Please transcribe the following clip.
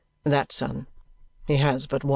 "That son. He has but one."